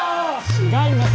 違います。